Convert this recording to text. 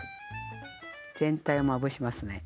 全体をまぶしますね。